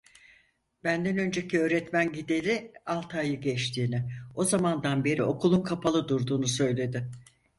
Benden önceki öğretmen gideli altı ayı geçtiğini, o zamandan beri okulun kapalı durduğunu söyledi.